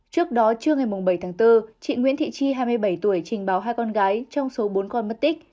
trước đó trưa ngày bảy tháng bốn chị nguyễn thị chi hai mươi bảy tuổi trình báo hai con gái trong số bốn con mất tích